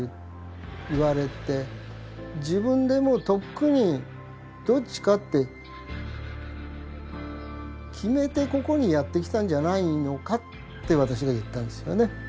自分でもうとっくにどっちかって決めてここにやって来たんじゃないのかって私が言ったんですよね。